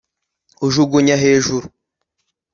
ujugunya hejuru